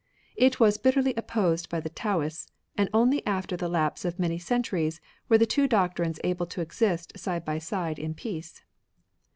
It was bitterly opposed by the Taoists, and only after the lapse of many centuries were the two doctrines able to exist side by side in peace.